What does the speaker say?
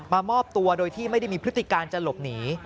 มอบตัวโดยที่ไม่ได้มีพฤติการจะหลบหนี